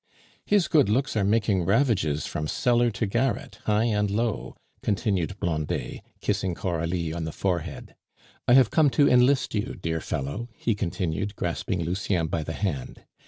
"His good looks are making ravages from cellar to garret, high and low," continued Blondet, kissing Coralie on the forehead. "I have come to enlist you, dear fellow," he continued, grasping Lucien by the hand.